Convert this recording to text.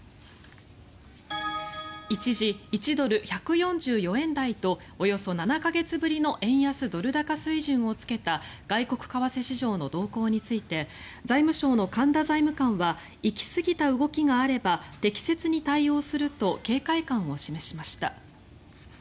一時、１ドル＝１４４円台とおよそ７か月ぶりの円安・ドル高水準をつけた外国為替市場の動向について財務省の神田財務官は行きすぎた動きがあれば適切に対応すると警戒感を示しました。